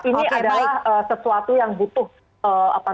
ini adalah sesuatu yang butuh apa